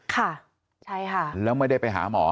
ค่ะใช่ค่ะแล้วไม่ได้ไปหาหมอ